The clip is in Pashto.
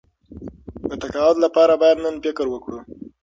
د تقاعد لپاره باید نن فکر وکړو.